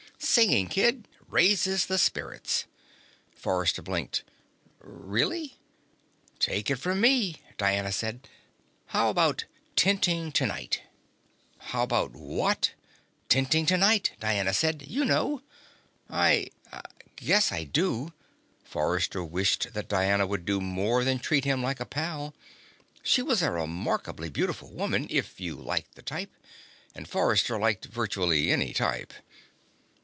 "Singing, kid. Raises the spirits." Forrester blinked. "Really?" "Take it from me," Diana said. "How about Tenting Tonight?" "How about what?" "Tenting Tonight," Diana said. "You know." "I guess I do." Forrester wished that Diana would do more than treat him like a pal. She was a remarkably beautiful woman, if you liked the type, and Forrester liked virtually any type.